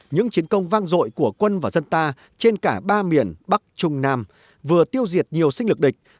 những chiến công vang dội của quân và dân ta trên cả ba miền bắc trung nam vừa tiêu diệt nhiều sinh lực địch